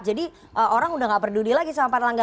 jadi orang sudah tidak peduli lagi sama pak nalangga